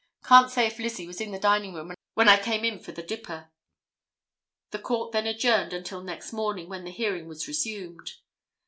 Can't say if Lizzie was in the dining room when I came in for the dipper." The court then adjourned until next morning, when the hearing was resumed.